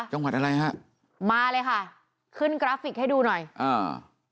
จังหวัดอะไรฮะมาเลยค่ะขึ้นกราฟิกให้ดูหน่อยอ่า